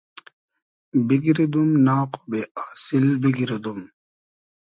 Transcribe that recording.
بیگیردوم ناق و بې آسیل بیگیردوم